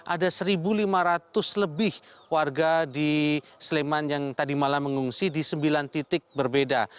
ada satu lima ratus lebih warga di sleman yang tadi malam mengungsi di sembilan titik berbeda